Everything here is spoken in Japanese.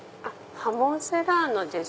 ハモンセラーノです。